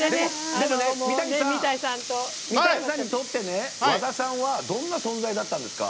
でもね、三谷さんにとって和田さんはどんな存在だったんですか？